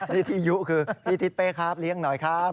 นี่ที่ยุคือพี่ทิศเป้ครับเลี้ยงหน่อยครับ